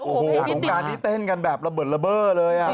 โอ้โหสงการนี้เต้นกันแบบระเบิดระเบิดเลย